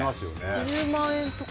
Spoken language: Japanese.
１０万円とか？